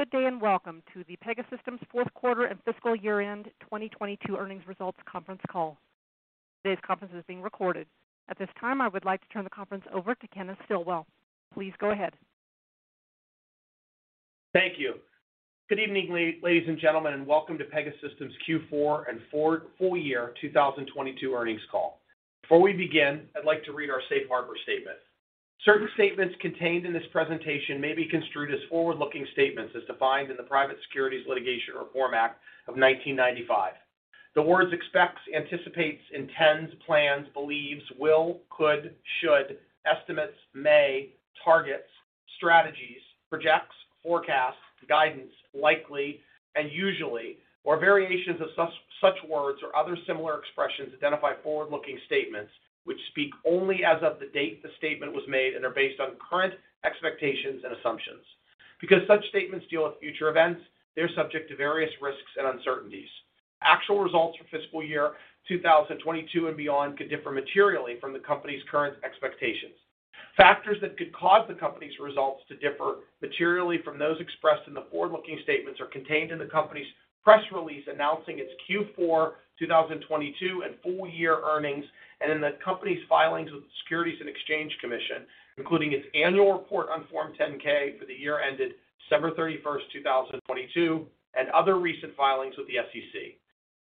Good day, welcome to the Pegasystems fourth quarter and fiscal year-end 2022 earnings results conference call. Today's conference is being recorded. At this time, I would like to turn the conference over to Kenneth Stillwell. Please go ahead. Thank you. Good evening, ladies and gentlemen, and welcome to Pegasystems Q4 and full year 2022 earnings call. Before we begin, I'd like to read our safe harbor statement. Certain statements contained in this presentation may be construed as forward-looking statements as defined in the Private Securities Litigation Reform Act of 1995. The words expects, anticipates, intends, plans, believes, will, could, should, estimates, may, targets, strategies, projects, forecasts, guidance, likely, and usually, or variations of such words or other similar expressions identify forward-looking statements which speak only as of the date the statement was made and are based on current expectations and assumptions. Because such statements deal with future events, they are subject to various risks and uncertainties. Actual results for fiscal year 2022 and beyond could differ materially from the company's current expectations. Factors that could cause the company's results to differ materially from those expressed in the forward-looking statements are contained in the company's press release announcing its Q4 2022 and full year earnings, and in the company's filings with the Securities and Exchange Commission, including its annual report on Form 10-K for the year ended December 31st, 2022, and other recent filings with the SEC.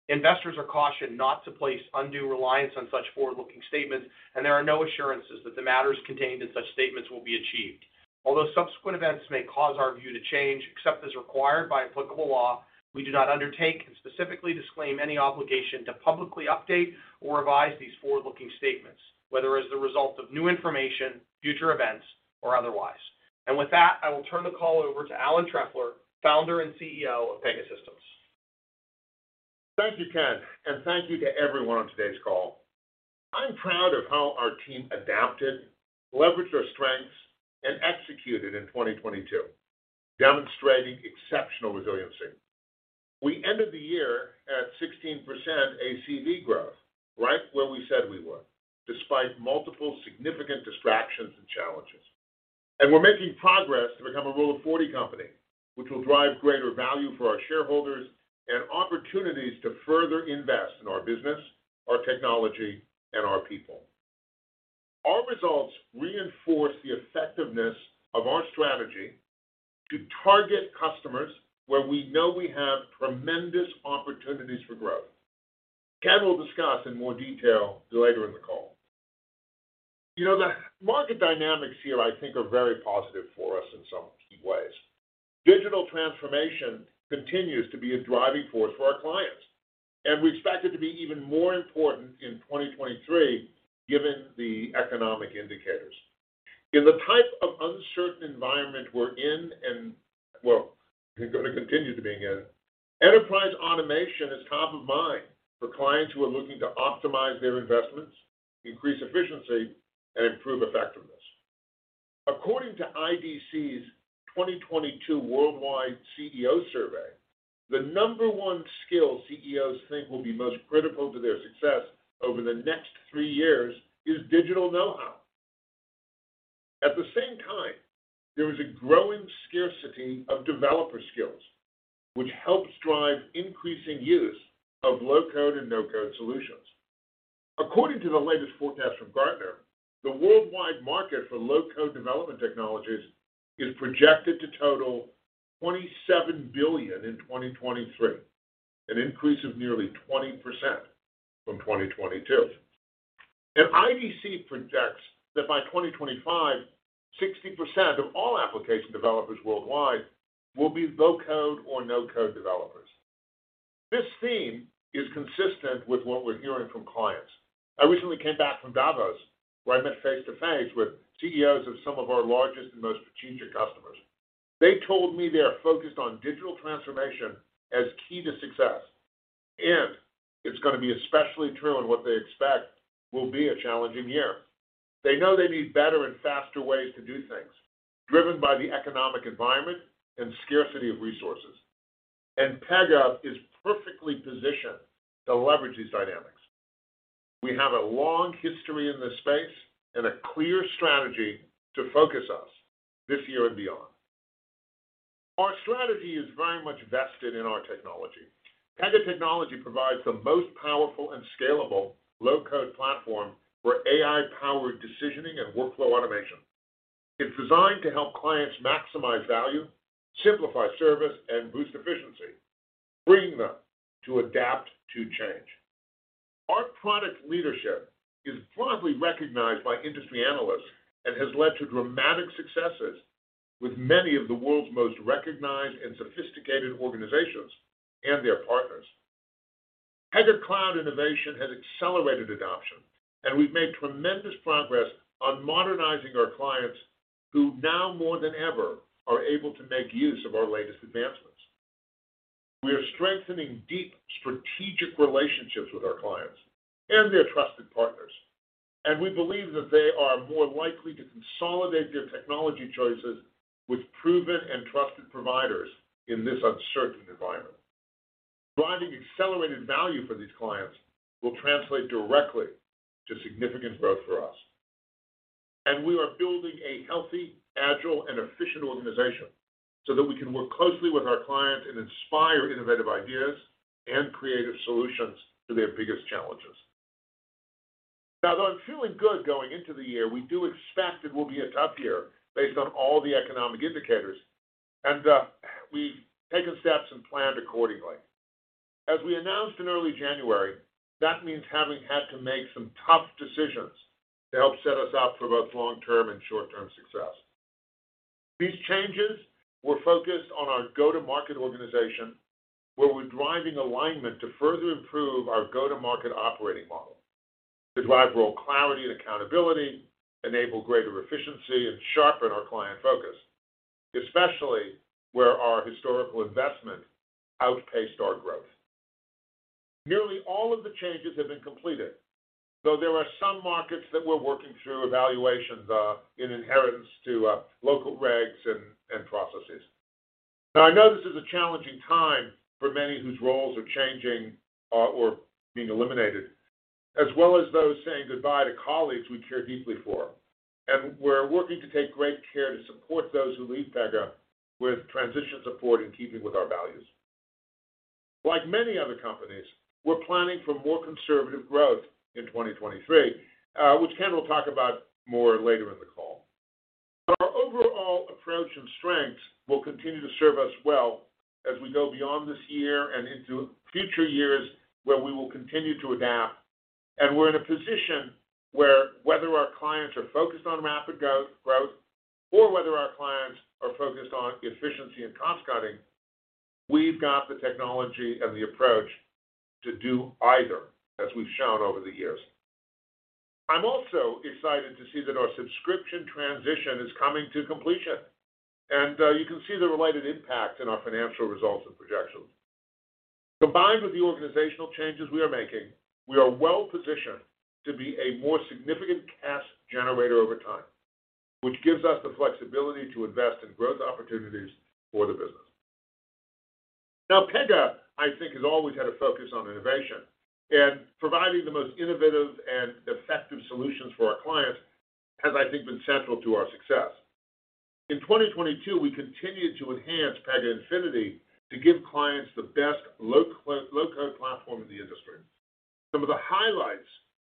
Investors are cautioned not to place undue reliance on such forward-looking statements, and there are no assurances that the matters contained in such statements will be achieved. Although subsequent events may cause our view to change, except as required by applicable law, we do not undertake and specifically disclaim any obligation to publicly update or revise these forward-looking statements, whether as the result of new information, future events, or otherwise. With that, I will turn the call over to Alan Trefler, Founder and CEO of Pegasystems. Thank you, Ken, and thank you to everyone on today's call. I'm proud of how our team adapted, leveraged our strengths, and executed in 2022, demonstrating exceptional resiliency. We ended the year at 16% ACV growth, right where we said we were, despite multiple significant distractions and challenges. We're making progress to become a Rule of 40 company, which will drive greater value for our shareholders and opportunities to further invest in our business, our technology, and our people. Our results reinforce the effectiveness of our strategy to target customers where we know we have tremendous opportunities for growth. Ken will discuss in more detail later in the call. You know, the market dynamics here I think are very positive for us in some key ways. Digital transformation continues to be a driving force for our clients. We expect it to be even more important in 2023, given the economic indicators. In the type of uncertain environment we're in and, well, we're gonna continue to be in, enterprise automation is top of mind for clients who are looking to optimize their investments, increase efficiency, and improve effectiveness. According to IDC's 2022 Worldwide CEO Survey, the number one skill CEOs think will be most critical to their success over the next three years is digital know-how. At the same time, there is a growing scarcity of developer skills, which helps drive increasing use of low-code and no-code solutions. According to the latest forecast from Gartner, the worldwide market for low-code development technologies is projected to total $27 billion in 2023, an increase of nearly 20% from 2022. IDC projects that by 2025, 60% of all application developers worldwide will be low-code or no-code developers. This theme is consistent with what we're hearing from clients. I recently came back from Davos, where I met face to face with CEOs of some of our largest and most strategic customers. They told me they are focused on digital transformation as key to success, and it's gonna be especially true in what they expect will be a challenging year. They know they need better and faster ways to do things, driven by the economic environment and scarcity of resources. Pega is perfectly positioned to leverage these dynamics. We have a long history in this space and a clear strategy to focus us this year and beyond. Our strategy is very much vested in our technology. Pega technology provides the most powerful and scalable low-code platform for AI-powered decisioning and workflow automation. It's designed to help clients maximize value, simplify service, and boost efficiency, freeing them to adapt to change. Our product leadership is broadly recognized by industry analysts and has led to dramatic successes with many of the world's most recognized and sophisticated organizations and their partners. Pega Cloud innovation has accelerated adoption, and we've made tremendous progress on modernizing our clients who now more than ever are able to make use of our latest advancements. We are strengthening deep strategic relationships with our clients and their trusted partners, and we believe that they are more likely to consolidate their technology choices with proven and trusted providers in this uncertain environment. Driving accelerated value for these clients will translate directly to significant growth for us. We are building a healthy, agile, and efficient organization so that we can work closely with our clients and inspire innovative ideas and creative solutions to their biggest challenges. Now, though I'm feeling good going into the year, we do expect it will be a tough year based on all the economic indicators, and we've taken steps and planned accordingly. As we announced in early January, that means having had to make some tough decisions to help set us up for both long-term and short-term success. These changes were focused on our go-to-market organization, where we're driving alignment to further improve our go-to-market operating model to drive role clarity and accountability, enable greater efficiency, and sharpen our client focus, especially where our historical investment outpaced our growth. Nearly all of the changes have been completed, though there are some markets that we're working through evaluations, in adherence to local regs and processes. I know this is a challenging time for many whose roles are changing, or being eliminated, as well as those saying goodbye to colleagues we care deeply for. We're working to take great care to support those who leave Pega with transition support in keeping with our values. Like many other companies, we're planning for more conservative growth in 2023, which Ken will talk about more later in the call. Our overall approach and strength will continue to serve us well as we go beyond this year and into future years where we will continue to adapt. We're in a position where whether our clients are focused on rapid go-growth or whether our clients are focused on efficiency and cost-cutting, we've got the technology and the approach to do either, as we've shown over the years. I'm also excited to see that our subscription transition is coming to completion, and you can see the related impact in our financial results and projections. Combined with the organizational changes we are making, we are well-positioned to be a more significant cash generator over time, which gives us the flexibility to invest in growth opportunities for the business. Pega, I think, has always had a focus on innovation, and providing the most innovative and effective solutions for our clients has, I think, been central to our success. In 2022, we continued to enhance Pega Infinity to give clients the best low-code platform in the industry. Some of the highlights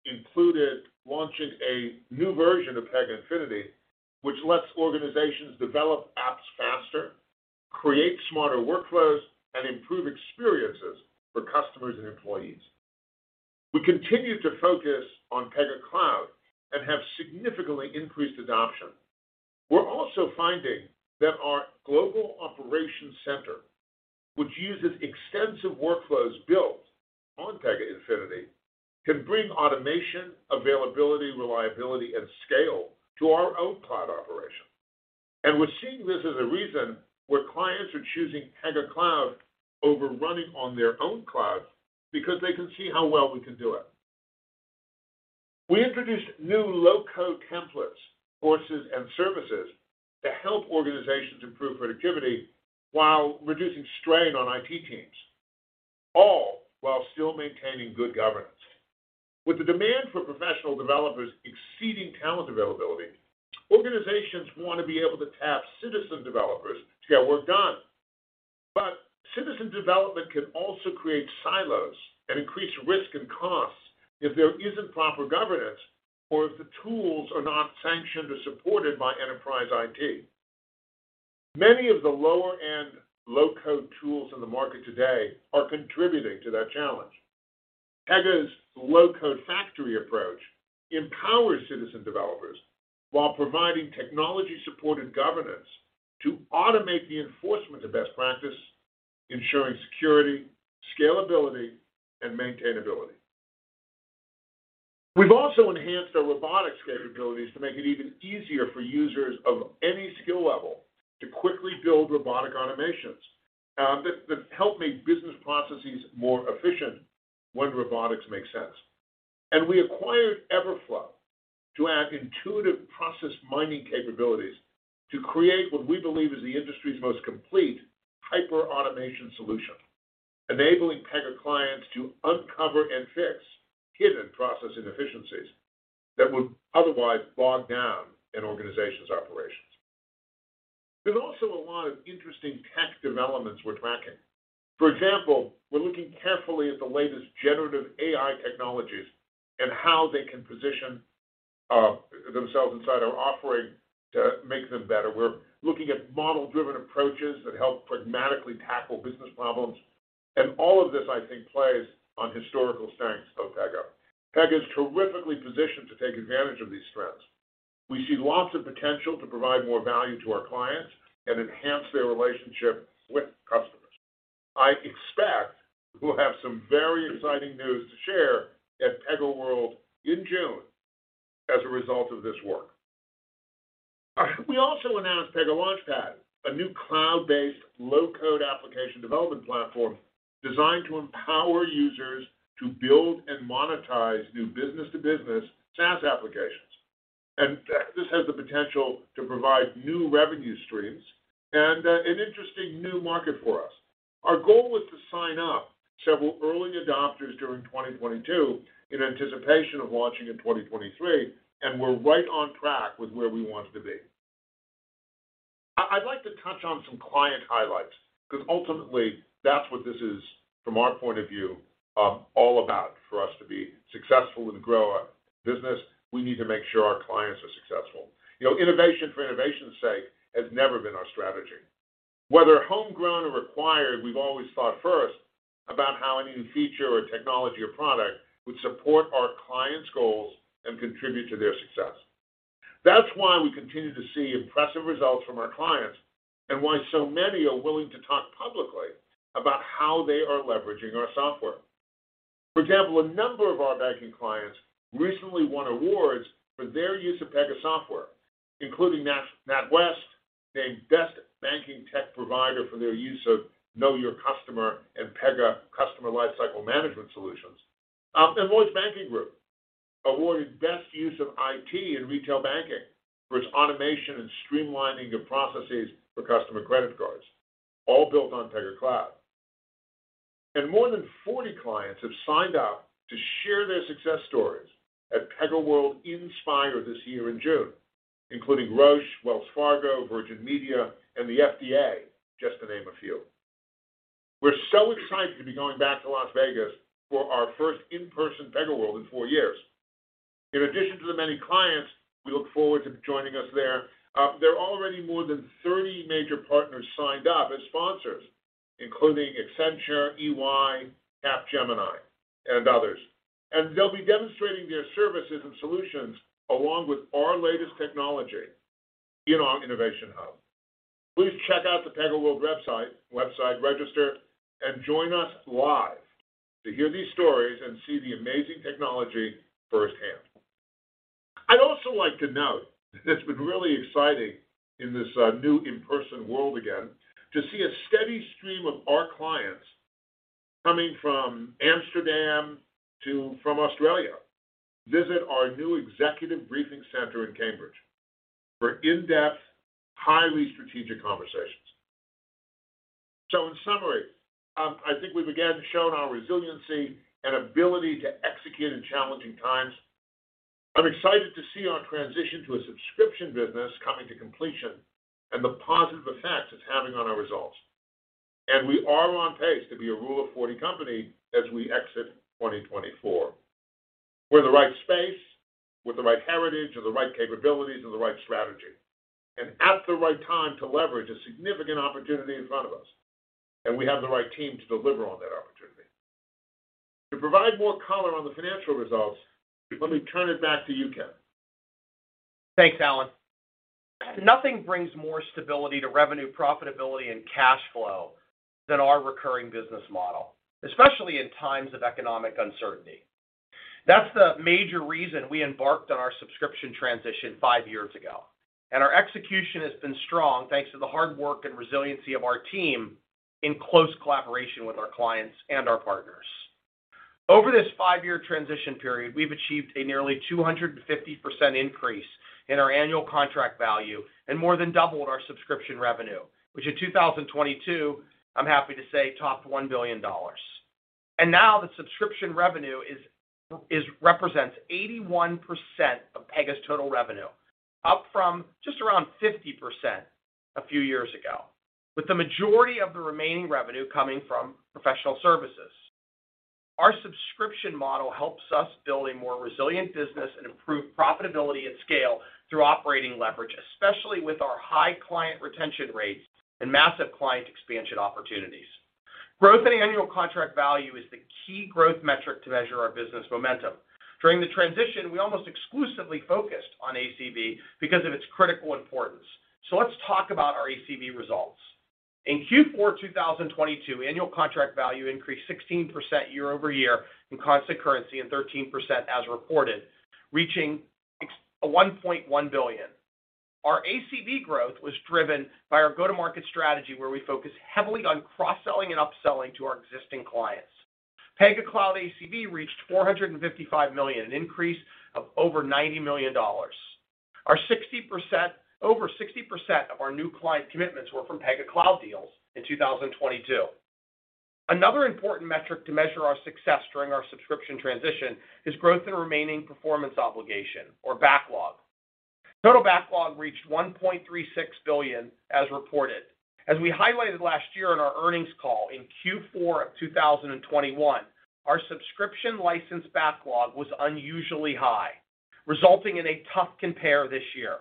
included launching a new version of Pega Infinity, which lets organizations develop apps faster, create smarter workflows, and improve experiences for customers and employees. We continue to focus on Pega Cloud and have significantly increased adoption. We're also finding that our Global Operations Center, which uses extensive workflows built on Pega Infinity, can bring automation, availability, reliability, and scale to our own cloud operation. We're seeing this as a reason where clients are choosing Pega Cloud over running on their own cloud because they can see how well we can do it. We introduced new low-code templates, courses, and services to help organizations improve productivity while reducing strain on IT teams, all while still maintaining good governance. With the demand for professional developers exceeding talent availability, organizations want to be able to tap citizen developers to get work done. Citizen development can also create silos and increase risk and costs if there isn't proper governance or if the tools are not sanctioned or supported by enterprise IT. Many of the lower-end low-code tools in the market today are contributing to that challenge. Pega's low-code factory approach empowers citizen developers while providing technology-supported governance to automate the enforcement of best practice, ensuring security, scalability, and maintainability. We've also enhanced our robotics capabilities to make it even easier for users of any skill level to quickly build robotic automations, that help make business processes more efficient when robotics makes sense. We acquired Everflow to add intuitive process mining capabilities to create what we believe is the industry's most complete hyperautomation solution, enabling Pega clients to uncover and fix hidden process inefficiencies that would otherwise bog down an organization's operations. There's also a lot of interesting tech developments we're tracking. For example, we're looking carefully at the latest generative AI technologies and how they can position themselves inside our offering to make them better. We're looking at model-driven approaches that help pragmatically tackle business problems. All of this, I think, plays on historical strengths of Pega. Pega is terrifically positioned to take advantage of these trends. We see lots of potential to provide more value to our clients and enhance their relationship with customers. I expect we'll have some very exciting news to share at PegaWorld in June as a result of this work. We also announced Pega Launchpad, a new cloud-based low-code application development platform designed to empower users to build and monetize new business-to-business SaaS applications. This has the potential to provide new revenue streams and an interesting new market for us. Our goal was to sign up several early adopters during 2022 in anticipation of launching in 2023, and we're right on track with where we want to be. I'd like to touch on some client highlights because ultimately that's what this is from our point of view, all about. For us to be successful and grow our business, we need to make sure our clients are successful. You know, innovation for innovation's sake has never been our strategy. Whether homegrown or acquired, we've always thought first about how a new feature or technology or product would support our clients' goals and contribute to their success. That's why we continue to see impressive results from our clients and why so many are willing to talk publicly about how they are leveraging our software. For example, a number of our banking clients recently won awards for their use of Pega software, including NatWest, named Best Banking Tech Provider for their use of Know Your Customer and Pega Client Lifecycle Management Solutions. Lloyds Banking Group, awarded Best Use of IT in Retail Banking for its automation and streamlining of processes for customer credit cards, all built on Pega Cloud. More than 40 clients have signed up to share their success stories at PegaWorld iNspire this year in June, including Roche, Wells Fargo, Virgin Media, and the FDA, just to name a few. We're so excited to be going back to Las Vegas for our first in-person PegaWorld in four years. In addition to the many clients we look forward to joining us there are already more than 30 major partners signed up as sponsors, including Accenture, EY, Capgemini, and others. They'll be demonstrating their services and solutions along with our latest technology in our Innovation Hub. Please check out the PegaWorld website, register, and join us live to hear these stories and see the amazing technology firsthand. I'd also like to note that it's been really exciting in this new in-person world again to see a steady stream of our clients coming from Amsterdam to from Australia visit our new executive briefing center in Cambridge for in-depth, highly strategic conversations. In summary, I think we've again shown our resiliency and ability to execute in challenging times. I'm excited to see our transition to a subscription business coming to completion and the positive effect it's having on our results. We are on pace to be a Rule of 40 company as we exit 2024. We're the right space with the right heritage and the right capabilities and the right strategy, and at the right time to leverage a significant opportunity in front of us. We have the right team to deliver on that opportunity. To provide more color on the financial results, let me turn it back to you, Ken. Thanks, Alan. Nothing brings more stability to revenue profitability and cash flow than our recurring business model, especially in times of economic uncertainty. That's the major reason we embarked on our subscription transition five years ago. Our execution has been strong thanks to the hard work and resiliency of our team in close collaboration with our clients and our partners. Over this five-year transition period, we've achieved a nearly 250% increase in our annual contract value. More than doubled our subscription revenue, which in 2022, I'm happy to say, topped $1 billion. Now the subscription revenue represents 81% of Pega's total revenue, up from just around 50% a few years ago, with the majority of the remaining revenue coming from professional services. Our subscription model helps us build a more resilient business and improve profitability at scale through operating leverage, especially with our high client retention rates and massive client expansion opportunities. Growth in annual contract value is the key growth metric to measure our business momentum. During the transition, we almost exclusively focused on ACV because of its critical importance. Let's talk about our ACV results. In Q4 2022, annual contract value increased 16% year-over-year in constant currency and 13% as reported, reaching $1.1 billion. Our ACV growth was driven by our go-to-market strategy, where we focus heavily on cross-selling and upselling to our existing clients. Pega Cloud ACV reached $455 million, an increase of over $90 million. Over 60% of our new client commitments were from Pega Cloud deals in 2022. Another important metric to measure our success during our subscription transition is growth in remaining performance obligation or backlog. Total backlog reached $1.36 billion as reported. As we highlighted last year on our earnings call in Q4 of 2021, our subscription license backlog was unusually high, resulting in a tough compare this year.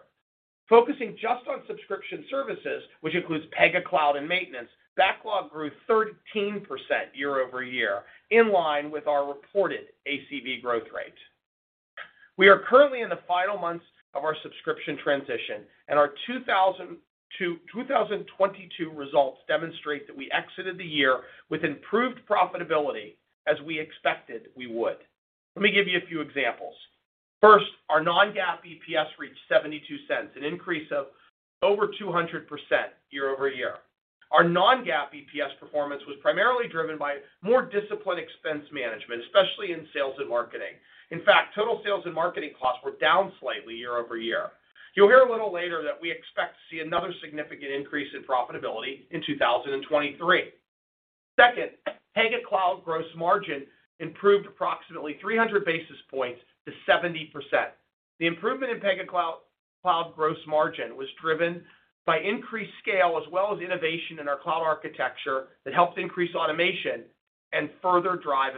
Focusing just on subscription services, which includes Pega Cloud and maintenance, backlog grew 13% year-over-year, in line with our reported ACV growth rate. We are currently in the final months of our subscription transition, and our 2000 to 2022 results demonstrate that we exited the year with improved profitability as we expected we would. Let me give you a few examples. First, our non-GAAP EPS reached $0.72, an increase of over 200% year-over-year. Our non-GAAP EPS performance was primarily driven by more disciplined expense management, especially in sales and marketing. In fact, total sales and marketing costs were down slightly year-over-year. You'll hear a little later that we expect to see another significant increase in profitability in 2023. Second, Pega Cloud gross margin improved approximately 300 basis points to 70%. The improvement in Pega Cloud gross margin was driven by increased scale as well as innovation in our cloud architecture that helped increase automation and further drive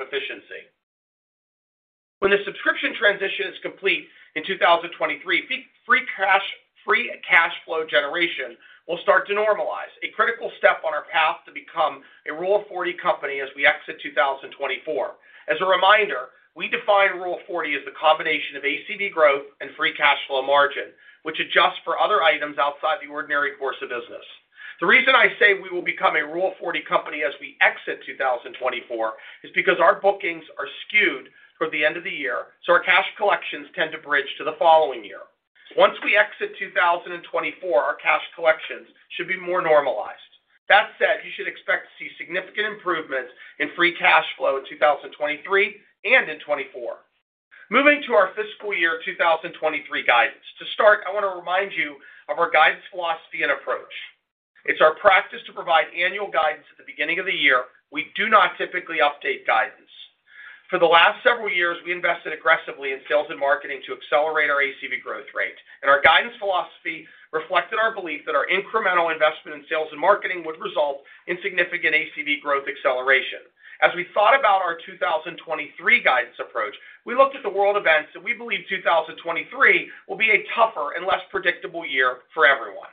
efficiency. When the subscription transition is complete in 2023, free cash flow generation will start to normalize, a critical step on our path to become a Rule 40 company as we exit 2024. As a reminder, we define Rule of 40 as the combination of ACV growth and free cash flow margin, which adjusts for other items outside the ordinary course of business. The reason I say we will become a Rule of 40 company as we exit 2024 is because our bookings are skewed toward the end of the year, so our cash collections tend to bridge to the following year. Once we exit 2024, our cash collections should be more normalized. That said, you should expect to see significant improvements in free cash flow in 2023 and in 2024. Moving to our fiscal year 2023 guidance. To start, I want to remind you of our guidance philosophy and approach. It's our practice to provide annual guidance at the beginning of the year. We do not typically update guidance. For the last several years, we invested aggressively in sales and marketing to accelerate our ACV growth rate, and our guidance philosophy reflected our belief that our incremental investment in sales and marketing would result in significant ACV growth acceleration. As we thought about our 2023 guidance approach, we looked at the world events. We believe 2023 will be a tougher and less predictable year for everyone.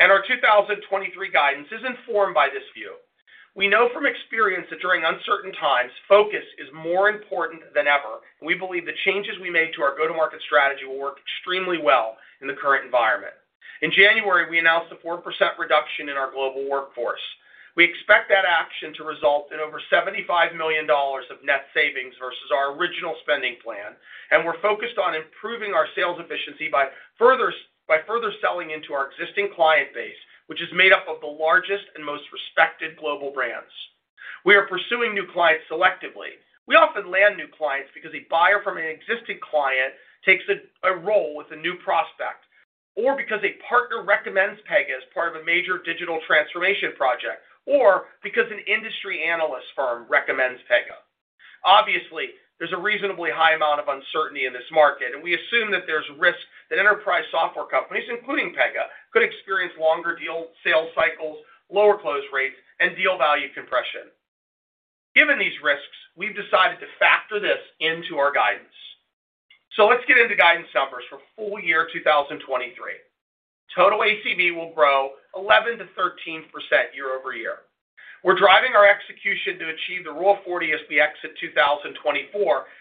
Our 2023 guidance is informed by this view. We know from experience that during uncertain times, focus is more important than ever. We believe the changes we made to our go-to-market strategy will work extremely well in the current environment. In January, we announced a 4% reduction in our global workforce. We expect that action to result in over $75 million of net savings versus our original spending plan, and we're focused on improving our sales efficiency by further selling into our existing client base, which is made up of the largest and most respected global brands. We are pursuing new clients selectively. We often land new clients because a buyer from an existing client takes a role with a new prospect, or because a partner recommends Pega as part of a major digital transformation project, or because an industry analyst firm recommends Pega. Obviously, there's a reasonably high amount of uncertainty in this market, and we assume that there's risk that enterprise software companies, including Pega, could experience longer deal sales cycles, lower close rates, and deal value compression. Given these risks, we've decided to factor this into our guidance. Let's get into guidance numbers for full year 2023. Total ACV will grow 11%-13% year-over-year. We're driving our execution to achieve the Rule of 40 SBX at 2024.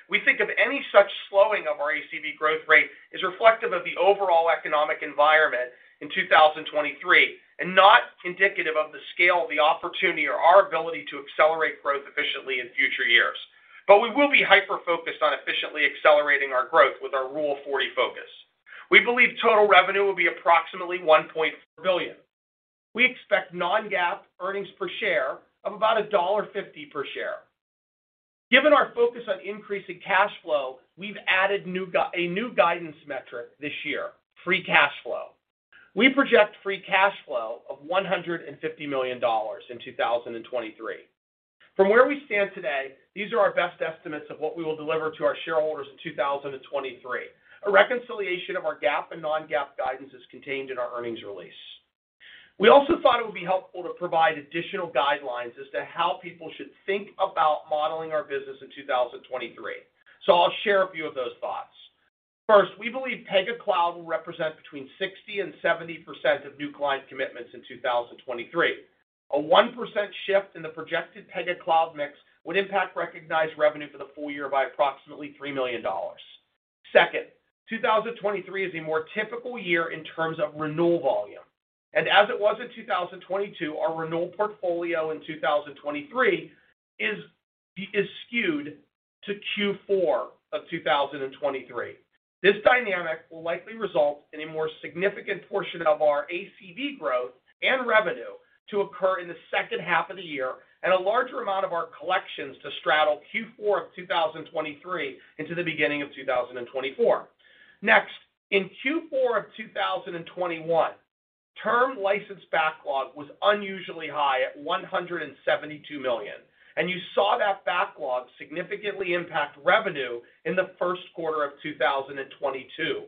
We think of any such slowing of our ACV growth rate is reflective of the overall economic environment in 2023 and not indicative of the scale of the opportunity or our ability to accelerate growth efficiently in future years. We will be hyper-focused on efficiently accelerating our growth with our Rule of 40 focus. We believe total revenue will be approximately $1.4 billion. We expect non-GAAP earnings per share of about $1.50 per share. Given our focus on increasing cash flow, we've added a new guidance metric this year, free cash flow. We project free cash flow of $150 million in 2023. From where we stand today, these are our best estimates of what we will deliver to our shareholders in 2023. A reconciliation of our GAAP and non-GAAP guidance is contained in our earnings release. We also thought it would be helpful to provide additional guidelines as to how people should think about modeling our business in 2023. I'll share a few of those thoughts. First, we believe Pega Cloud will represent between 60%-70% of new client commitments in 2023. A 1% shift in the projected Pega Cloud mix would impact recognized revenue for the full year by approximately $3 million. Second, 2023 is a more typical year in terms of renewal volume. As it was in 2022, our renewal portfolio in 2023 is skewed to Q4 of 2023. This dynamic will likely result in a more significant portion of our ACV growth and revenue to occur in the second half of the year and a larger amount of our collections to straddle Q4 of 2023 into the beginning of 2024. In Q4 of 2021, term license backlog was unusually high at $172 million, and you saw that backlog significantly impact revenue in the first quarter of 2022.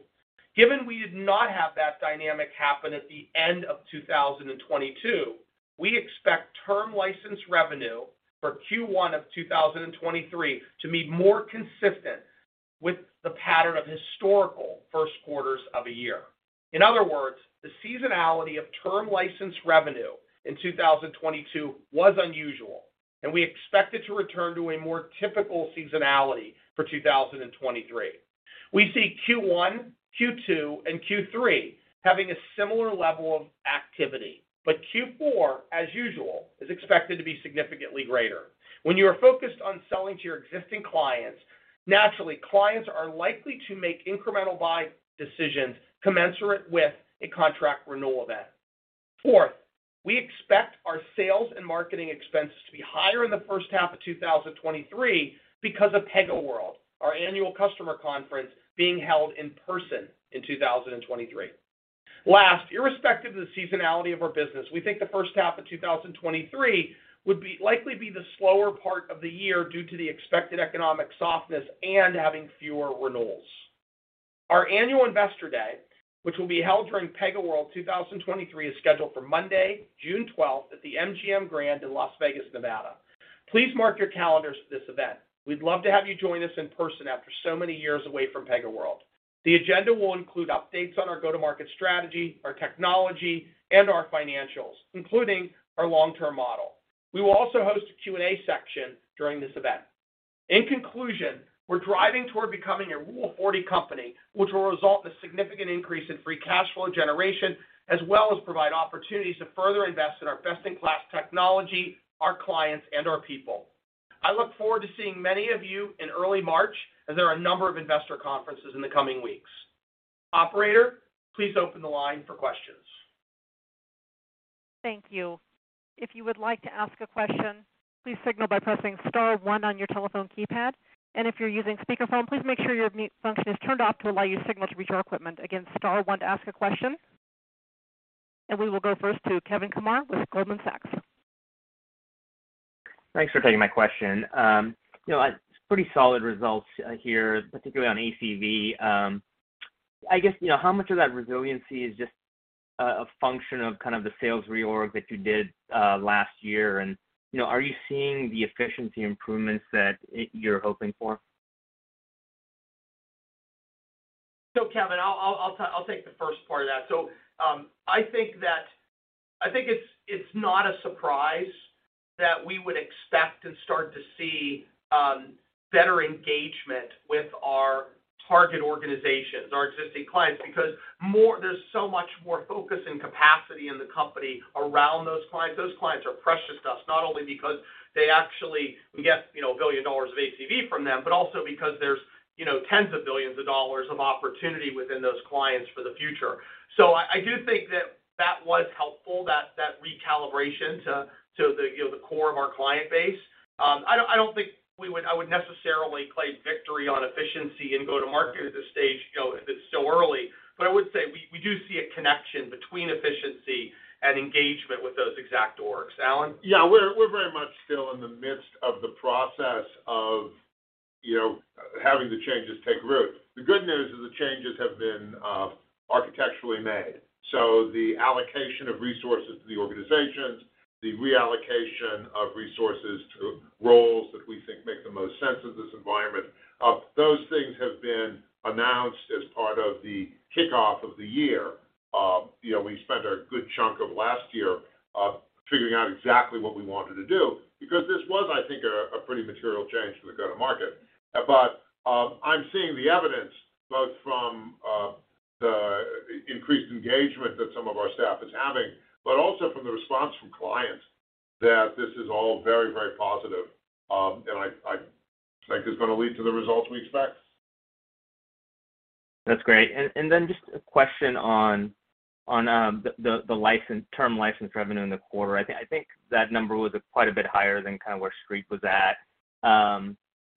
Given we did not have that dynamic happen at the end of 2022, we expect term license revenue for Q1 of 2023 to be more consistent with the pattern of historical first quarters of a year. In other words, the seasonality of term license revenue in 2022 was unusual. We expect it to return to a more typical seasonality for 2023. We see Q1, Q2, and Q3 having a similar level of activity. Q4, as usual, is expected to be significantly greater. When you are focused on selling to your existing clients, naturally, clients are likely to make incremental buy decisions commensurate with a contract renewal event. We expect our sales and marketing expenses to be higher in the first half of 2023 because of PegaWorld, our annual customer conference being held in person in 2023. Irrespective of the seasonality of our business, we think the first half of 2023 likely be the slower part of the year due to the expected economic softness and having fewer renewals. Our annual Investor Day, which will be held during PegaWorld 2023, is scheduled for Monday, June 12th at the MGM Grand in Las Vegas, Nevada. Please mark your calendars for this event. We'd love to have you join us in person after so many years away from PegaWorld. The agenda will include updates on our go-to-market strategy, our technology, and our financials, including our long-term model. We will also host a Q and A section during this event. In conclusion, we're driving toward becoming a Rule 40 company, which will result in a significant increase in free cash flow generation, as well as provide opportunities to further invest in our best-in-class technology, our clients, and our people. I look forward to seeing many of you in early March, as there are a number of investor conferences in the coming weeks. Operator, please open the line for questions. Thank you. If you would like to ask a question, please signal by pressing star one on your telephone keypad. If you're using speakerphone, please make sure your mute function is turned off to allow your signal to reach our equipment. Again, star one to ask a question. We will go first to Kevin Kumar with Goldman Sachs. Thanks for taking my question. You know, pretty solid results here, particularly on ACV. I guess, you know, how much of that resiliency is just a function of kind of the sales reorg that you did last year? You know, are you seeing the efficiency improvements that you're hoping for? Kevin, I'll take the first part of that. I think that. I think it's not a surprise that we would expect to start to see better engagement with our target organizations, our existing clients, because there's so much more focus and capacity in the company around those clients. Those clients are precious to us, not only because they actually we get, you know, $1 billion of ACV from them, but also because there's, you know, tens of billions of dollars of opportunity within those clients for the future. I do think that that was helpful, that recalibration to the, you know, the core of our client base. I don't, I don't think I would necessarily claim victory on efficiency and go-to-market at this stage, you know, if it's still early. I would say we do see a connection between efficiency and engagement with those exact orgs. Alan? Yeah. We're very much still in the midst of the process of, you know, having the changes take root. The good news is the changes have been architecturally made. The allocation of resources to the organizations, the reallocation of resources to roles that we think make the most sense in this environment, those things have been announced as part of the kickoff of the year. You know, we spent a good chunk of last year figuring out exactly what we wanted to do because this was, I think, a pretty material change to the go-to-market. I'm seeing the evidence, both from the increased engagement that some of our staff is having, but also from the response from clients that this is all very, very positive. And I think it's gonna lead to the results we expect. That's great. Just a question on the license, term license revenue in the quarter. I think that number was quite a bit higher than kind of where Street was at.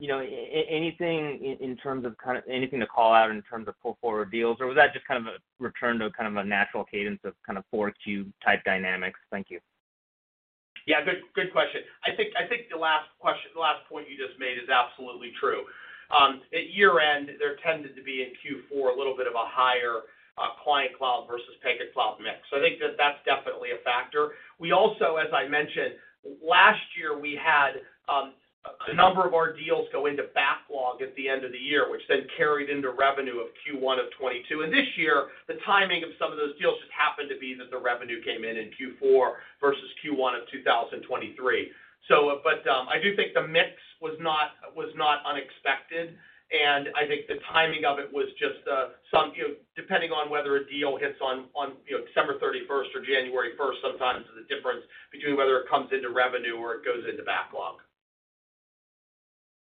You know, anything to call out in terms of pull-forward deals? Was that just kind of a return to kind of a natural cadence of Q4-type dynamics? Thank you. Yeah. Good question. I think the last point you just made is absolutely true. At year-end, there tended to be in Q4 a little bit of a higher client cloud versus Pega Cloud mix. I think that that's definitely a factor. We also, as I mentioned, last year, we had a number of our deals go into backlog at the end of the year, which then carried into revenue of Q1 of 2022. This year, the timing of some of those deals just happened to be that the revenue came in in Q4 versus Q1 of 2023. I do think the mix was not unexpected, and I think the timing of it was just some, you know, depending on whether a deal hits on, you know, December 31st or January 1st, sometimes is a difference between whether it comes into revenue or it goes into backlog.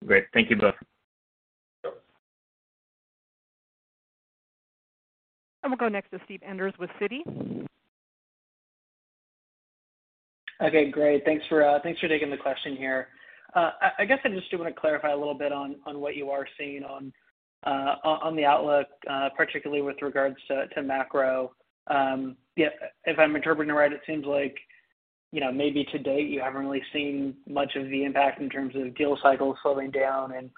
Great. Thank you both. Sure. We'll go next to Steve Enders with Citi. Okay, great. Thanks for taking the question here. I guess I just do wanna clarify a little bit on what you are seeing on the outlook, particularly with regards to macro. Yeah, if I'm interpreting it right, it seems like, you know, maybe to date you haven't really seen much of the impact in terms of deal cycle slowing down and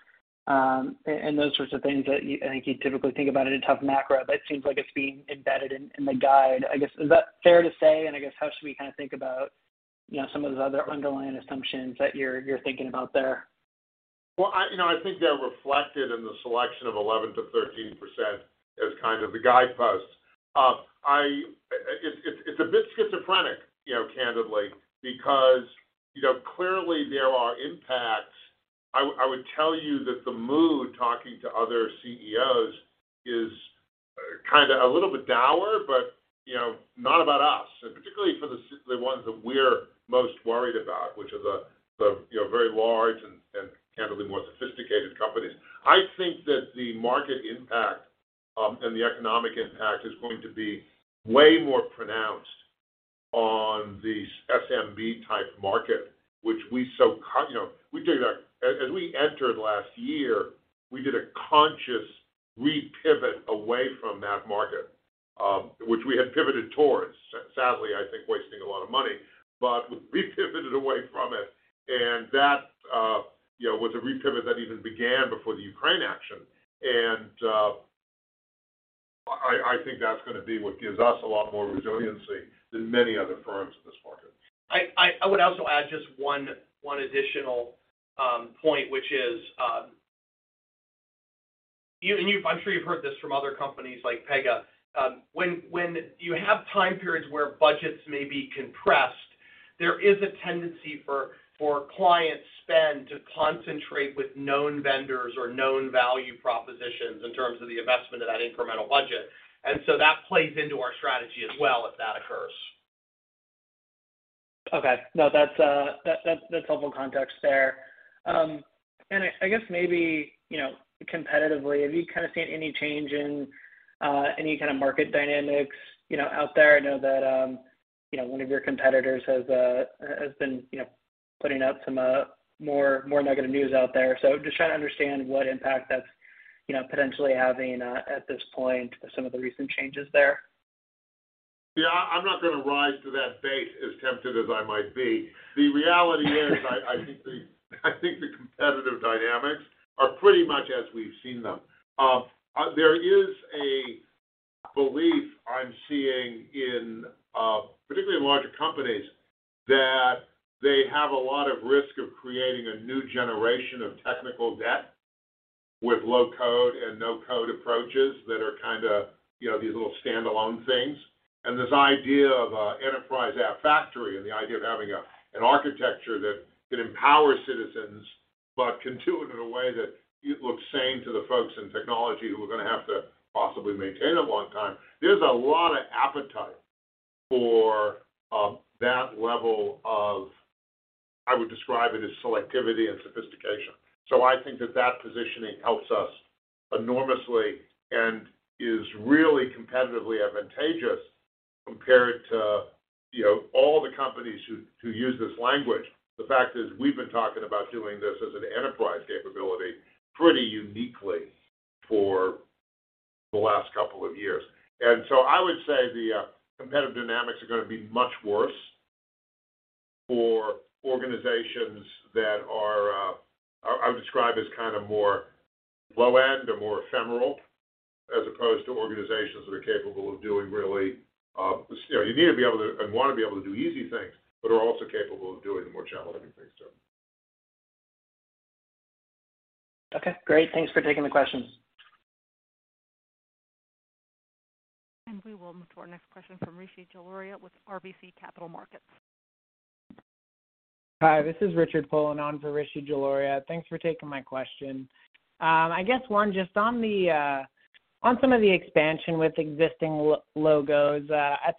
those sorts of things that I think you typically think about in a tough macro, but it seems like it's being embedded in the guide. I guess, is that fair to say, and I guess how should we kinda think about, you know, some of the other underlying assumptions that you're thinking about there? Well, I, you know, I think they're reflected in the selection of 11%-13% as kind of the guideposts. It's a bit schizophrenic, you know, candidly, because, you know, clearly there are impacts. I would tell you that the mood, talking to other CEOs, is kind of a little bit dour, but, you know, not about us. Particularly for the ones that we're most worried about, which is the, you know, very large and candidly more sophisticated companies. I think that the market impact and the economic impact is going to be way more pronounced on the SMB-type market, which we so, you know, As we entered last year, we did a conscious re-pivot away from that market, which we had pivoted towards, sadly, I think wasting a lot of money. We re-pivoted away from it, and that, you know, was a re-pivot that even began before the Ukraine action. I think that's gonna be what gives us a lot more resiliency than many other firms in this market. I would also add just one additional point, which is, I'm sure you've heard this from other companies like Pega. When you have time periods where budgets may be compressed, there is a tendency for client spend to concentrate with known vendors or known value propositions in terms of the investment of that incremental budget. That plays into our strategy as well if that occurs. Okay. No, that's helpful context there. I guess maybe, you know, competitively, have you kinda seen any change in any kind of market dynamics, you know, out there? I know that, you know, one of your competitors has been, you know, putting out some more negative news out there. Just trying to understand what impact that's, you know, potentially having at this point with some of the recent changes there. Yeah. I'm not going to rise to that bait, as tempted as I might be. The reality is. I think the competitive dynamics are pretty much as we've seen them. There is belief I'm seeing in particularly larger companies, that they have a lot of risk of creating a new generation of technical debt with low-code and no-code approaches that are kind of, you know, these little standalone things. This idea of an enterprise app factory and the idea of having an architecture that can empower citizens, but can do it in a way that it looks sane to the folks in technology who are going to have to possibly maintain it a long time. There's a lot of appetite for that level of, I would describe it as selectivity and sophistication. I think that that positioning helps us enormously and is really competitively advantageous compared to, you know, all the companies who use this language. The fact is, we've been talking about doing this as an enterprise capability pretty uniquely for the last couple of years. I would say the competitive dynamics are gonna be much worse for organizations that are I would describe as kinda more low end or more ephemeral, as opposed to organizations that are capable of doing really, you know, you need to be able to, and wanna be able to do easy things, but are also capable of doing the more challenging things too. Okay, great. Thanks for taking the questions. We will move to our next question from Rishi Jaluria with RBC Capital Markets. Hi, this is Richard on for Rishi Jaluria. Thanks for taking my question. I guess one just on the on some of the expansion with existing logos. As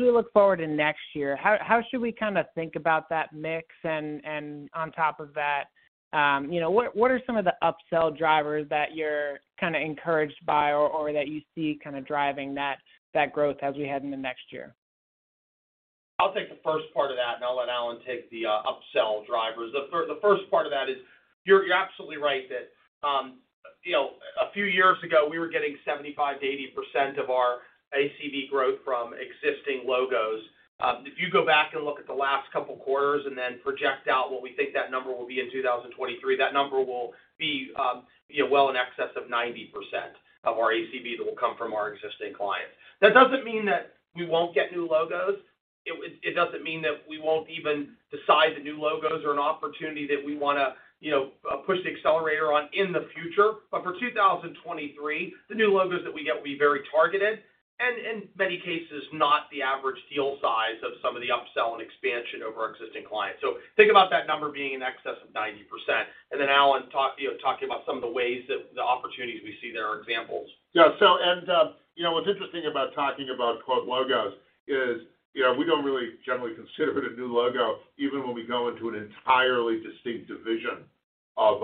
we look forward to next year, how should we kinda think about that mix? On top of that, you know, what are some of the upsell drivers that you're kinda encouraged by or that you see kinda driving that growth as we head into next year? I'll take the first part of that, and I'll let Alan take the upsell drivers. The first part of that is you're absolutely right that, you know, a few years ago, we were getting 75%-80% of our ACV growth from existing logos. If you go back and look at the last couple quarters and then project out what we think that number will be in 2023, that number will be, you know, well in excess of 90% of our ACV that will come from our existing clients. That doesn't mean that we won't get new logos. It doesn't mean that we won't even decide that new logos are an opportunity that we wanna, you know, push the accelerator on in the future. For 2023, the new logos that we get will be very targeted, and in many cases, not the average deal size of some of the upsell and expansion of our existing clients. Think about that number being in excess of 90%. Alan, talk, you know, talking about some of the ways that the opportunities we see there are examples. Yeah, you know, what's interesting about talking about quote logos is, you know, we don't really generally consider it a new logo, even when we go into an entirely distinct division of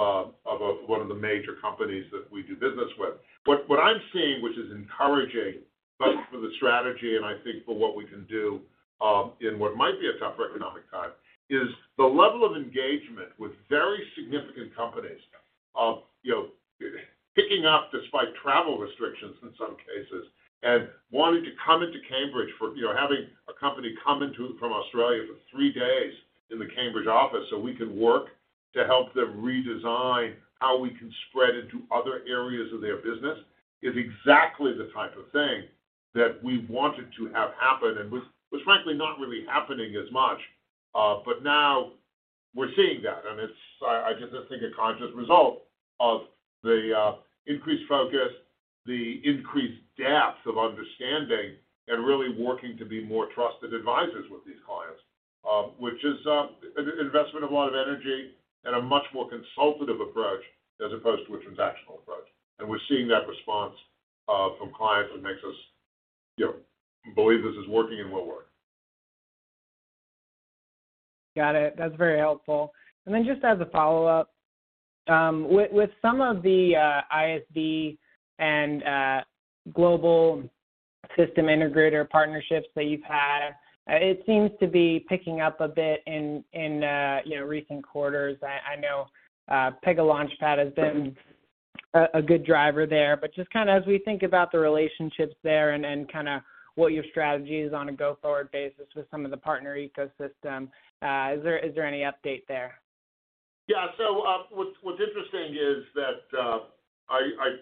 one of the major companies that we do business with. What I'm seeing, which is encouraging both for the strategy and I think for what we can do, in what might be a tough economic time, is the level of engagement with very significant companies of, you know, picking up despite travel restrictions in some cases and wanting to come into Cambridge for, you know, having a company come into from Australia for three days in the Cambridge office so we can work to help them redesign how we can spread into other areas of their business, is exactly the type of thing that we wanted to have happen and was frankly not really happening as much. Now we're seeing that, and it's, I just think a conscious result of the, increased focus, the increased depth of understanding and really working to be more trusted advisors with these clients, which is, an investment of a lot of energy and a much more consultative approach as opposed to a transactional approach. We're seeing that response, from clients and makes us, you know, believe this is working and will work. Got it. That's very helpful. Just as a follow-up, with some of the ISV and global system integrator partnerships that you've had, it seems to be picking up a bit in, you know, recent quarters. I know Pega Launchpad has been a good driver there, but just kinda as we think about the relationships there and kinda what your strategy is on a go-forward basis with some of the partner ecosystem, is there any update there? What's interesting is that I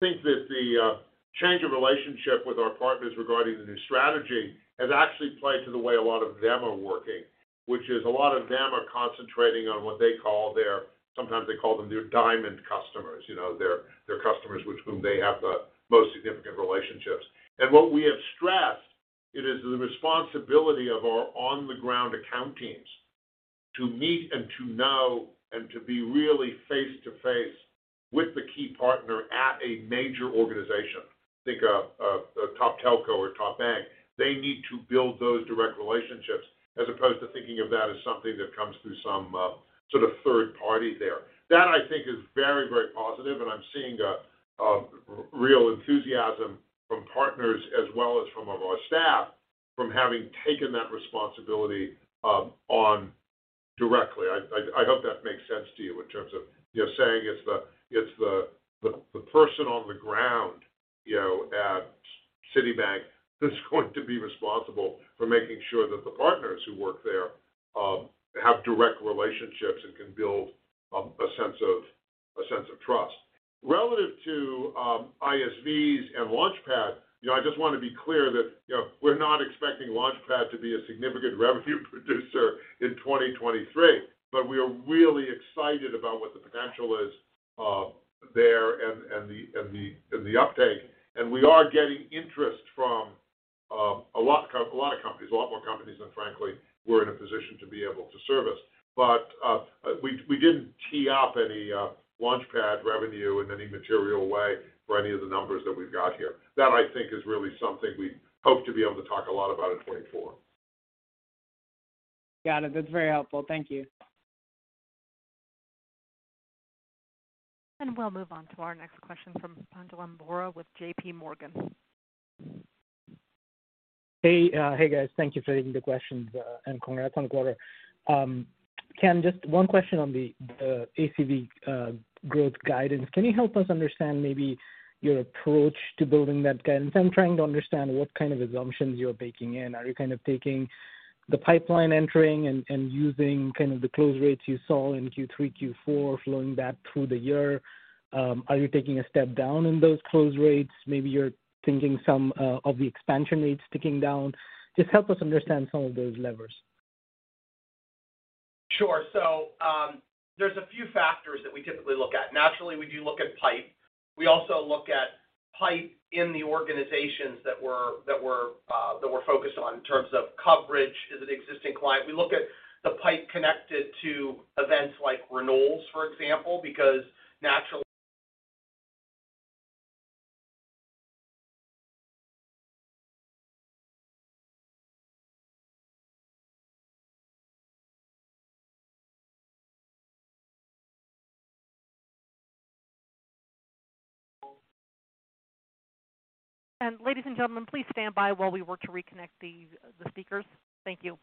think that the change of relationship with our partners regarding the new strategy has actually played to the way a lot of them are working, which is a lot of them are concentrating on what they call their sometimes they call them their diamond customers, you know, their customers, which whom they have the most significant relationships. What we have stressed, it is the responsibility of our on-the-ground account teams to meet and to know and to be really face-to-face with the key partner at a major organization. Think a top telco or top bank. They need to build those direct relationships as opposed to thinking of that as something that comes through some sort of third party there. That I think is very, very positive, I'm seeing a real enthusiasm from partners as well as from of our staff from having taken that responsibility on directly. I hope that makes sense to you in terms of, you know, saying it's the person on the ground, you know, at Citibank that's going to be responsible for making sure that the partners who work there have direct relationships and can build a sense of trust. Relative to ISVs and Launchpad, you know, I just want to be clear that, you know, we're not expecting Launchpad to be a significant revenue producer in 2023, we are really excited about what the potential is there and the uptake. We are getting interest from, a lot of companies, a lot more companies than frankly we're in a position to be able to service. We didn't tee up any Launchpad revenue in any material way for any of the numbers that we've got here. That I think is really something we hope to be able to talk a lot about in 2024. Got it. That's very helpful. Thank you. We'll move on to our next question from Pinjalim Bora with J.P. Morgan. Hey, guys. Thank you for taking the questions, and congrats on the quarter. Ken, just one question on the ACV growth guidance. Can you help us understand maybe your approach to building that guidance? I'm trying to understand what kind of assumptions you're baking in. Are you kind of taking the pipeline entering and using kind of the close rates you saw in Q3, Q4, flowing that through the year? Are you taking a step down in those close rates? Maybe you're thinking some of the expansion rates ticking down. Just help us understand some of those levers. Sure. There's a few factors that we typically look at. Naturally, we do look at pipe. We also look at pipe in the organizations that we're focused on in terms of coverage. Is it an existing client? We look at the pipe connected to events like renewals, for example, because naturally. ladies and gentlemen, please stand by while we work to reconnect the speakers. Thank you.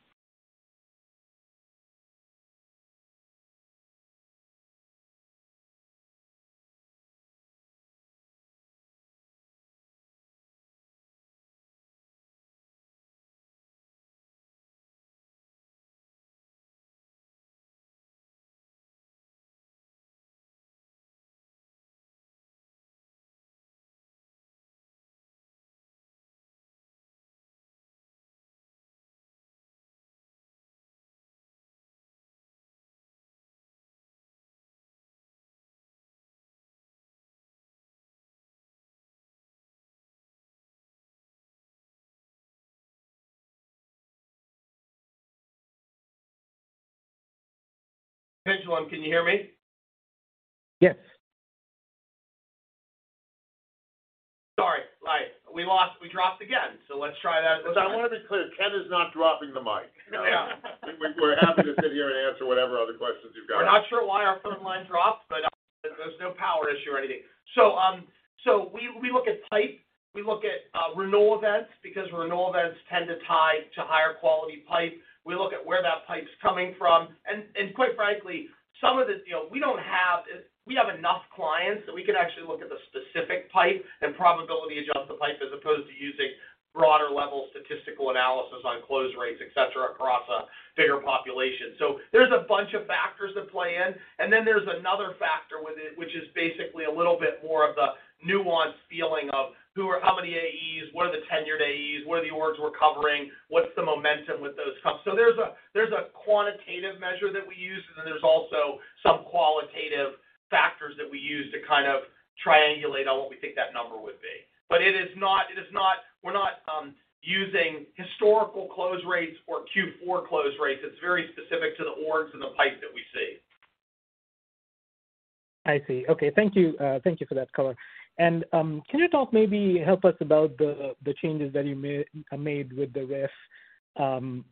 Pinjalim, can you hear me? Yes. Sorry. Right. We dropped again. Let's try that one more time. Listen, I want to be clear. Ken is not dropping the mic. Yeah. We're happy to sit here and answer whatever other questions you've got. We're not sure why our phone line dropped, but there's no power issue or anything. We look at pipe. We look at renewal events because renewal events tend to tie to higher quality pipe. We look at where that pipe's coming from. Quite frankly, some of this, you know, we don't have. We have enough clients that we can actually look at the specific pipe and probability adjust the pipe as opposed to using broader level statistical analysis on close rates, et cetera, across a bigger population. There's a bunch of factors that play in, and then there's another factor with it, which is basically a little bit more of the nuanced feeling of who or how many AEs, what are the tenured AEs, what are the orgs we're covering, what's the momentum with those. There's a quantitative measure that we use, and then there's also some qualitative factors that we use to kind of triangulate on what we think that number would be. It is not, we're not using historical close rates or Q4 close rates. It's very specific to the orgs and the pipe that we see. I see. Okay. Thank you. Thank you for that color. Can you talk maybe, help us about the changes that you made with the RIF in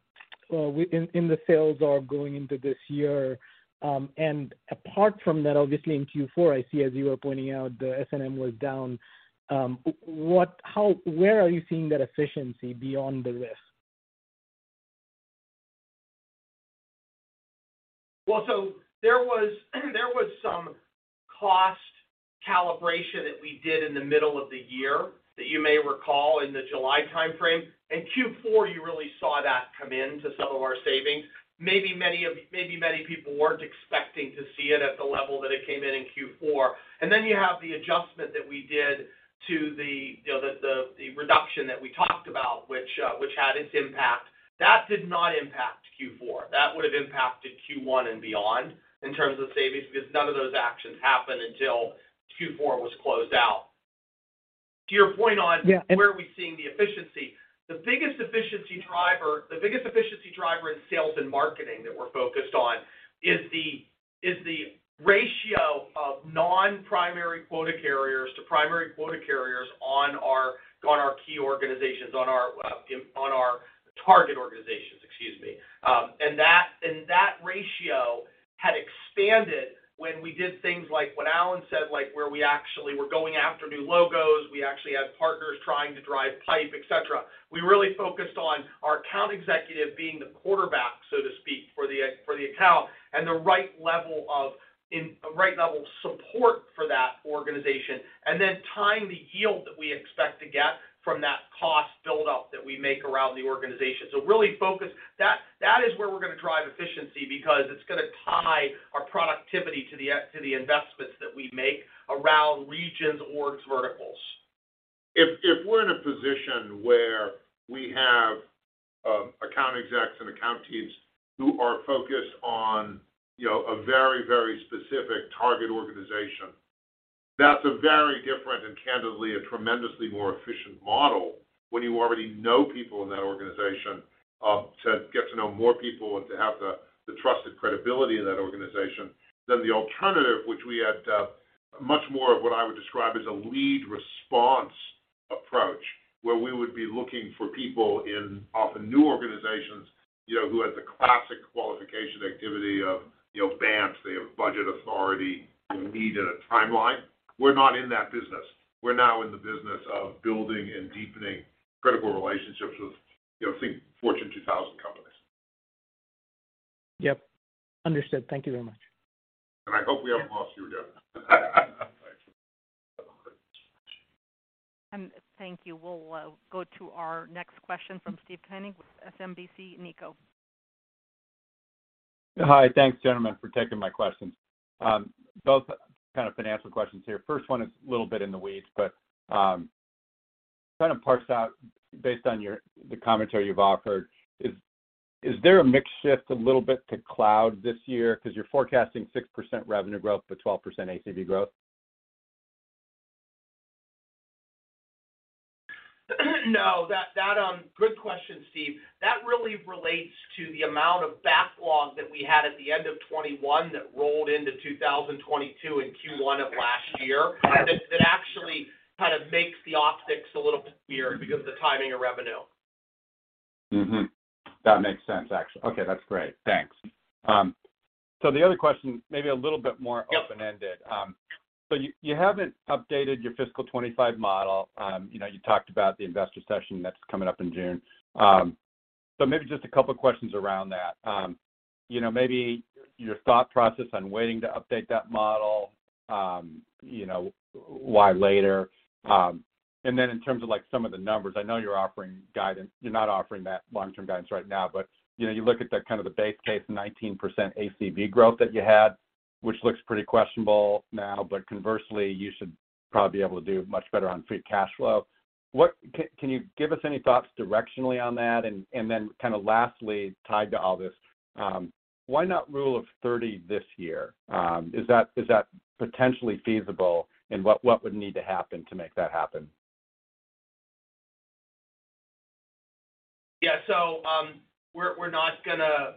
the sales org going into this year? Apart from that, obviously in Q4, I see as you were pointing out, the S&M was down. What how where are you seeing that efficiency beyond the RIF? There was some cost calibration that we did in the middle of the year that you may recall in the July timeframe. In Q4, you really saw that come in to some of our savings. Maybe many people weren't expecting to see it at the level that it came in in Q4. Then you have the adjustment that we did to the, you know, the reduction that we talked about, which had its impact. That did not impact Q4. That would have impacted Q1 and beyond in terms of savings because none of those actions happened until Q4 was closed out. To your point on. Yeah ...where are we seeing the efficiency, the biggest efficiency driver, the biggest efficiency driver in sales and marketing that we're focused on is the ratio of non-primary quota carriers to primary quota carriers on our key organizations, on our target organizations, excuse me. That ratio had expanded when we did things like what Alan said, like where we actually were going after new logos. We actually had partners trying to drive pipe, et cetera. We really focused on our account executive being the quarterback, so to speak, for the account and the right level of support for that organization, and then tying the yield that we expect to get from that cost build-up that we make around the organization. Really focus... That is where we're going to drive efficiency because it's going to tie our productivity to the investments that we make around regions, orgs, verticals. If we're in a position where we have account execs and account teams who are focused on, you know, a very, very specific target organization, that's a very different, and candidly, a tremendously more efficient model when you already know people in that organization, to get to know more people and to have the trusted credibility in that organization than the alternative which we had much more of what I would describe as a lead response approach, where we would be looking for people in often new organizations, you know, who had the classic qualification activity of, you know, BANTs. They have budget authority, you know, need and a timeline. We're not in that business. We're now in the business of building and deepening critical relationships with, you know, think Fortune 2000 companies. Yep. Understood. Thank you very much. I hope we haven't lost you again. Thank you. We'll go to our next question from Steve Koenig with SMBC Nikko. Hi. Thanks, gentlemen, for taking my questions. Both kind of financial questions here. First one is a little bit in the weeds, but, kind of parse out based on the commentary you've offered, is there a mix shift a little bit to cloud this year 'cause you're forecasting 6% revenue growth, but 12% ACV growth? No. Good question, Steve. That really relates to the amount of backlog that we had at the end of 2021 that rolled into 2022 in Q1 of last year. That actually kind of makes the optics a little bit weird because of the timing of revenue. Mm-hmm. That makes sense, actually. Okay. That's great. Thanks. The other question may be a little bit more. Yep. open-ended. You haven't updated your fiscal 2025 model. You know, you talked about the investor session that's coming up in June. Maybe just a couple questions around that. You know, maybe your thought process on waiting to update that model, you know, why later? Then in terms of, like, some of the numbers, I know you're offering guidance. You're not offering that long-term guidance right now, but, you know, you look at the kind of the base case, 19% ACV growth that you had, which looks pretty questionable now. Conversely, you should probably be able to do much better on free cash flow. Can you give us any thoughts directionally on that? Kinda lastly, tied to all this, why not Rule of 30 this year? Is that potentially feasible, and what would need to happen to make that happen? Yeah. We're not gonna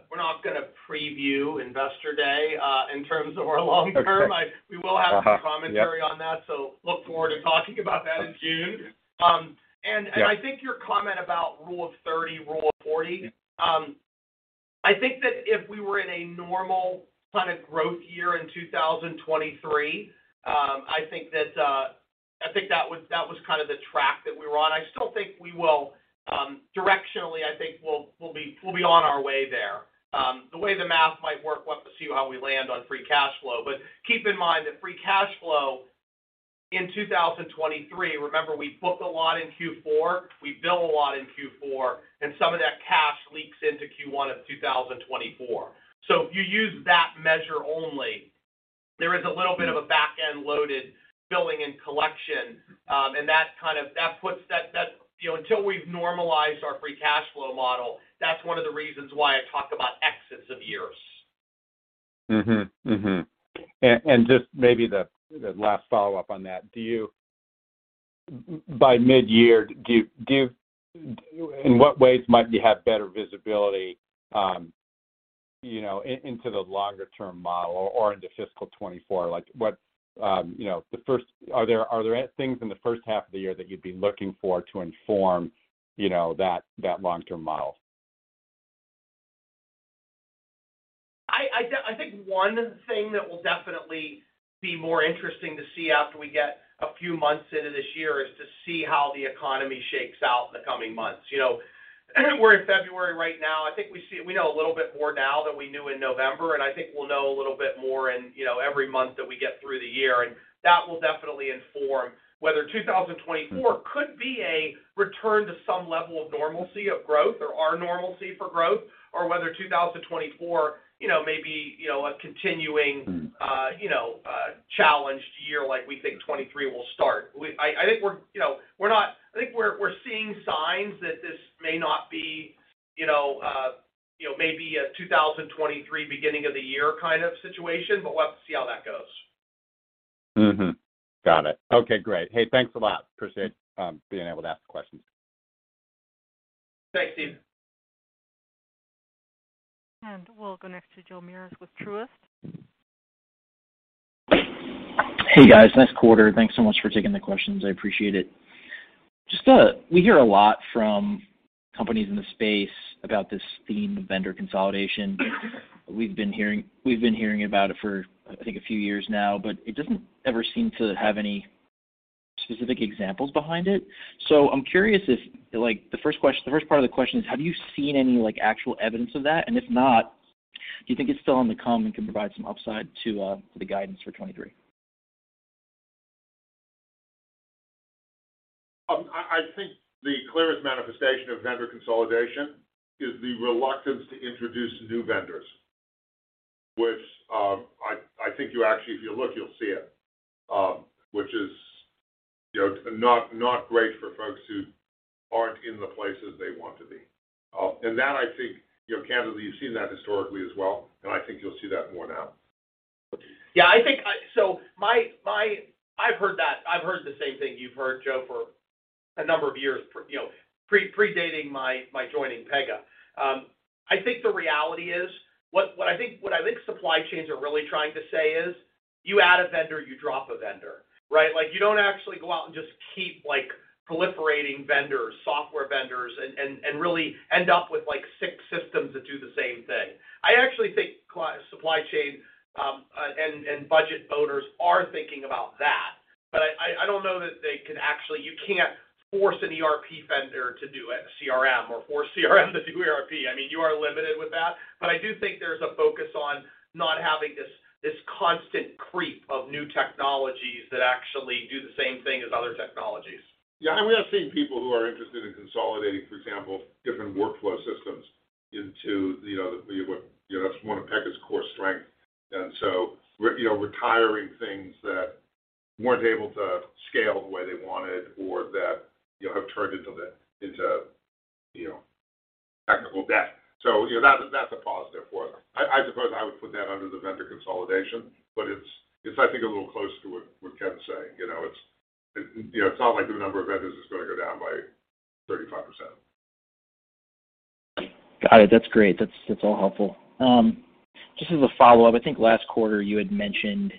preview Investor Day in terms of our long term. Okay. Uh-huh. Yep. We will have some commentary on that, so look forward to talking about that in June. Yeah. I think your comment about Rule of 30, Rule of 40- Yeah. I think that if we were in a normal kind of growth year in 2023, I think that was kind of the track that we were on. I still think we will, directionally, I think we'll be on our way there. The way the math might work, we'll have to see how we land on free cash flow. Keep in mind that free cash flow in 2023, remember we booked a lot in Q4, we bill a lot in Q4, and some of that cash leaks into Q1 of 2024. If you use that measure only, there is a little bit of a back-end loaded billing and collection, and that kind of puts that... You know, until we've normalized our free cash flow model, that's one of the reasons why I talk about exits of years. Mm-hmm. Mm-hmm. Just maybe the last follow-up on that. Do you... By mid-year, do you... In what ways might you have better visibility, you know, into the longer-term model or into fiscal 2024? Like what, you know, the first... Are there things in the first half of the year that you'd be looking for to inform, you know, that long-term model? I think one thing that will definitely be more interesting to see after we get a few months into this year is to see how the economy shakes out in the coming months. You know, we're in February right now. I think we know a little bit more now than we knew in November, and I think we'll know a little bit more in, you know, every month that we get through the year. That will definitely inform whether 2024- Mm-hmm. could be a return to some level of normalcy of growth or our normalcy for growth, or whether 2024, you know, may be, you know, a continuing-. Mm. You know, challenged year like we think 23 will start. I think we're, you know, we're not... I think we're seeing signs that this may not be, you know, you know, maybe a 2023 beginning of the year kind of situation, but we'll have to see how that goes. Got it. Okay, great. Hey, thanks a lot. Appreciate being able to ask questions. Thanks, Steve. we'll go next to Joe Mearus with Truist. Hey, guys. Nice quarter. Thanks so much for taking the questions. I appreciate it. We hear a lot from companies in the space about this theme of vendor consolidation. We've been hearing about it for, I think, a few years now, but it doesn't ever seem to have any specific examples behind it. I'm curious if, like, the first part of the question is, have you seen any, like, actual evidence of that? If not, do you think it's still on the come and can provide some upside to the guidance for 23? I think the clearest manifestation of vendor consolidation is the reluctance to introduce new vendors. Which, I think you actually, if you look, you'll see it. Which is, you know, not great for folks who aren't in the places they want to be. That I think, you know, candidly, you've seen that historically as well, and I think you'll see that more now. Yeah, I think I've heard that. I've heard the same thing you've heard, Joe, for a number of years, you know, predating my joining Pega. I think the reality is, what I think supply chains are really trying to say is, you add a vendor, you drop a vendor, right? You don't actually go out and just keep, like, proliferating vendors, software vendors, and really end up with, like, six systems that do the same thing. I actually think supply chain and budget owners are thinking about that. I don't know that they can actually. You can't force an ERP vendor to do a CRM or force CRM to do ERP. I mean, you are limited with that. I do think there's a focus on not having this constant creep of new technologies that actually do the same thing as other technologies. And we are seeing people who are interested in consolidating, for example, different workflow systems into, you know, that's one of Pega's core strength. We're, you know, retiring things that weren't able to scale the way they wanted or that, you know, have turned into, you know, technical debt. You know, that's a positive for them. I suppose I would put that under the vendor consolidation, but it's I think a little closer to what Ken's saying. You know, it's, you know, it's not like the number of vendors is gonna go down by 35%. Got it. That's great. That's all helpful. Just as a follow-up, I think last quarter you had mentioned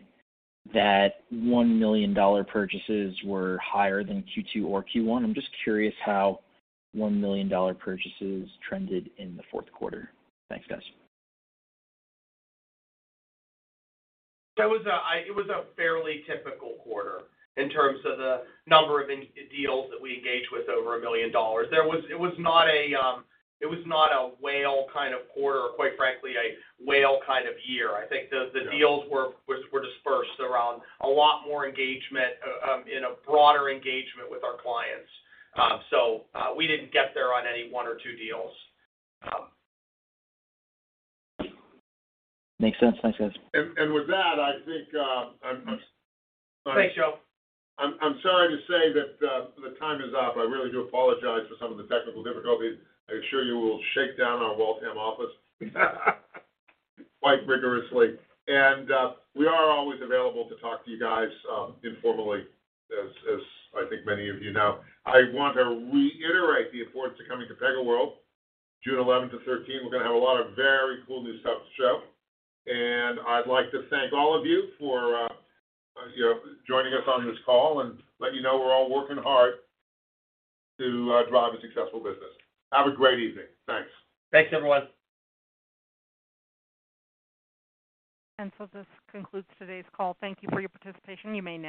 that $1 million purchases were higher than Q2 or Q1. I'm just curious how $1 million purchases trended in the fourth quarter. Thanks, guys. That was a fairly typical quarter in terms of the number of deals that we engaged with over $1 million. It was not a whale kind of quarter or, quite frankly, a whale kind of year. I think the deals were dispersed around a lot more engagement in a broader engagement with our clients. We didn't get there on any one or two deals. Makes sense. Thanks, guys. With that, I think, I'm. Thanks, Joe. I'm sorry to say that the time is up. I really do apologize for some of the technical difficulties. I am sure you will shake down our Waltham office quite rigorously. We are always available to talk to you guys, informally as I think many of you know. I want to reiterate the importance of coming to PegaWorld, June 11th-13th. We're gonna have a lot of very cool new stuff to show. I'd like to thank all of you for, you know, joining us on this call and let you know we're all working hard to drive a successful business. Have a great evening. Thanks. Thanks, everyone. This concludes today's call. Thank you for your participation. You may now disconnect.